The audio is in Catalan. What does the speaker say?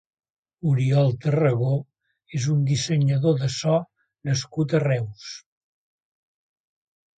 Oriol Tarragó és un dissenyador de so nascut a Reus.